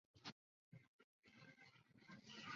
飞将是日本将棋的棋子之一。